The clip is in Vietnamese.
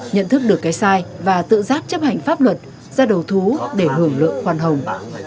nhận thức được cái sai và tự giác chấp hành pháp luật ra đầu thú để hưởng lượng khoan hồng